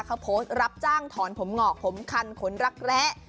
เขาโพสต์รับจ้างถอนผมงอกผมคันขนรักแร้